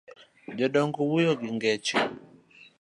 Jodongo wuoyo gi ngeche.